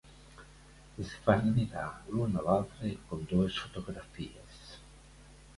Es van mirar l'un a l'altre, com dues fotografies.